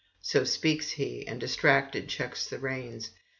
So speaks he, and distractedly checks the reins.